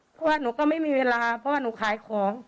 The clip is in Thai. เพราะว่าหนูก็ไม่มีเวลาเพราะว่าหนูขายของ